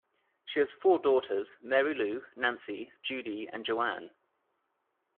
She has four daughters, Mary Lou, Nancy, Judy, and Jo-An.